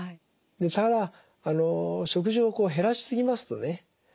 ただ食事を減らし過ぎますとね